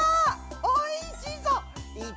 おいしそう！